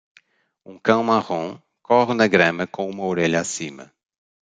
Um cão marrom corre na grama com uma orelha acima.